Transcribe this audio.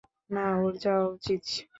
না ওর যাওয়া উচিত।